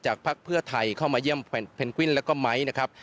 พักเพื่อไทยเข้ามาเยี่ยมเพนกวินแล้วก็ไม้นะครับ